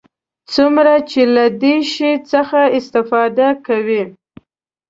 څومره چې له دې شي څخه استفاده کوي.